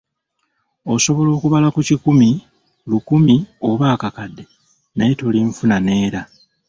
Osobola okubala ku kikumi, lukumi, oba akakadde naye tolinfuna neera!